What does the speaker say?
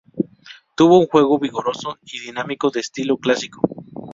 Tuvo un juego vigoroso y dinámico de estilo clásico.